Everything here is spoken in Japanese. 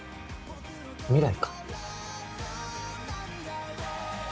未来か？